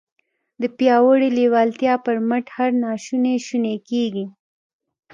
د پياوړې لېوالتیا پر مټ هر ناشونی شونی کېږي.